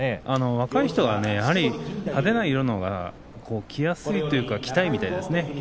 若い人は派手な色のほうが着やすいというか着たいみたいですね